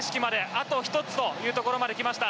あと一つというところまで来ました。